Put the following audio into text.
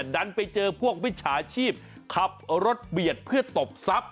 ดันไปเจอพวกมิจฉาชีพขับรถเบียดเพื่อตบทรัพย